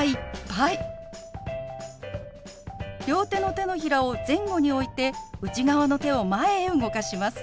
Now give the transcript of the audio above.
両手の手のひらを前後に置いて内側の手を前へ動かします。